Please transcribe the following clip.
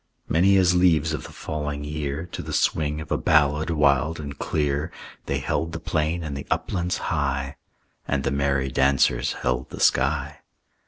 Many as leaves of the falling year, To the swing of a ballad wild and clear They held the plain and the uplands high; And the merry dancers held the sky.